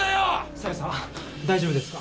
沙代さん大丈夫ですか？